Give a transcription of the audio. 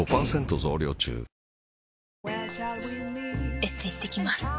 エステ行ってきます。